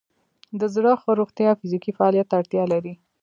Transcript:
د زړه ښه روغتیا فزیکي فعالیت ته اړتیا لري.